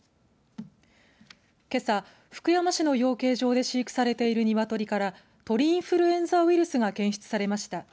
けさ、福山市の養鶏場で飼育されているニワトリから鳥インフルエンザウイルスが検出されました。